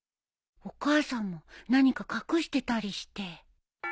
お母さんも何か隠してたりして